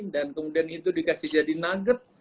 dan kemudian itu dikasih jadi nugget